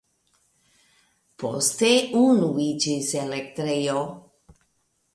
Poste unu iĝis elektrejo.